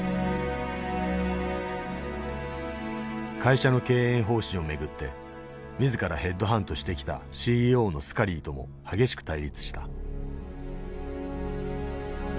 会社の経営方針を巡って自らヘッドハントしてきたＣＥＯのスカリーとも激しく対立した。